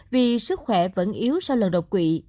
vì sức khỏe vẫn yếu sau lần độc quỵ